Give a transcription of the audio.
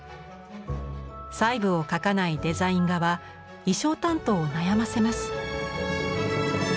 細部を描かないデザイン画は衣装担当を悩ませます。